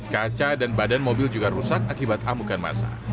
kaca dan badan mobil juga rusak akibat amukan masa